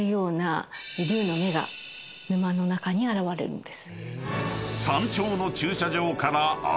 沼の中に現れるんです。